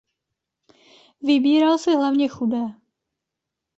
Vybíral si hlavně chudé.